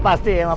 pasti ya mah